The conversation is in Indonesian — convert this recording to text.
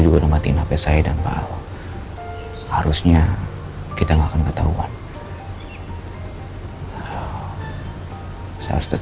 gue tinggal tunggu perintah